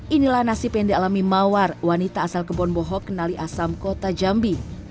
inilah nasib yang dialami mawar wanita asal kebonboho kenali asam kota jambi